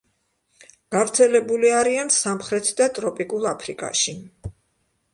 გავრცელებული არიან სამხრეთ და ტროპიკულ აფრიკაში.